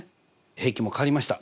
平均も変わりました。